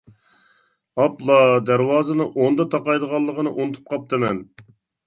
-ئاپلا، دەرۋازىنى ئوندا تاقايدىغانلىقىنى ئۇنتۇپ قاپتىمەن.